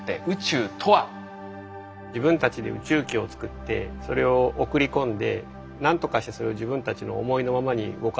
自分たちで宇宙機を作ってそれを送り込んでなんとかしてそれを自分たちの思いのままに動かす。